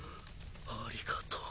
ありがとう。